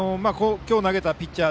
今日投げたピッチャー